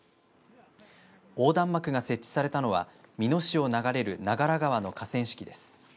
横断幕が設置されたのは美濃市を流れる長良川の河川敷です。